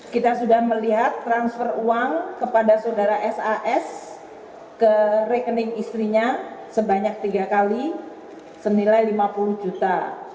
kita sudah melihat transfer uang kepada saudara sas ke rekening istrinya sebanyak tiga kali senilai lima puluh juta